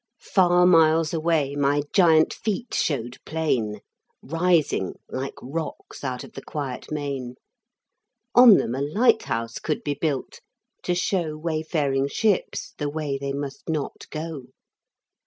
Far miles away my giant feet showed plain, Rising, like rocks out of the quiet main. On them a lighthouse could be built, to show Wayfaring ships the way they must not go.